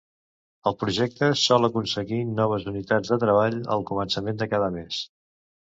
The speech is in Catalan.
El projecte sol aconseguir noves unitats de treball al començament de cada mes.